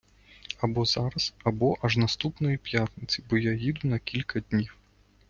Або зараз, або аж наступної п'ятниці, бо я їду на кілька днів.